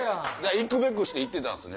行くべくして行ってた。